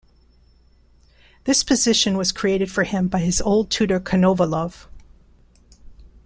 This position was created for him by his old tutor Konovalov.